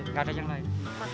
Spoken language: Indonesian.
nggak ada yang lain